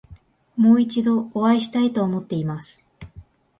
もう一度お会いしたいと思っています。